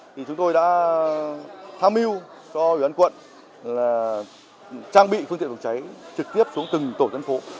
thì chúng tôi đã tham mưu cho ủy ban quận là trang bị phương tiện phòng cháy trực tiếp xuống từng tổ dân phố